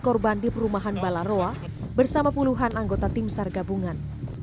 korban di perumahan balaroa bersama puluhan anggota tim sar gabungan